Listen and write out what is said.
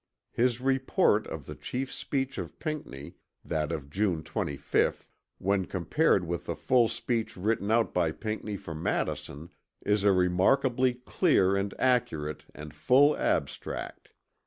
His report of the chief speech of Pinckney, that of June 25th, when compared with the full speech written out by Pinckney for Madison is a remarkably clear and accurate and full abstract.